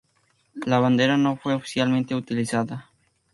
La bandera no fue oficialmente utilizada.